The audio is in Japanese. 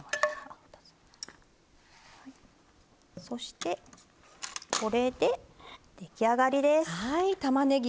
そしてこれで出来上がりです。